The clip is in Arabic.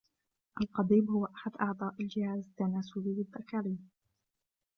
القضيب هو أحد أعضاء الجهاز التناسلي الذكري.